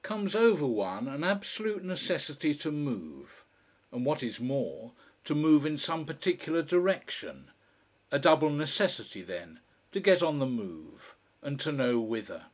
Comes over one an absolute necessity to move. And what is more, to move in some particular direction. A double necessity then: to get on the move, and to know whither.